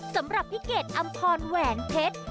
สำหรับพี่เกดอัมพอนว์แหวนเพชร